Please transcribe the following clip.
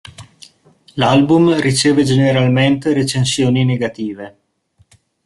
L'album riceve generalmente recensioni negative.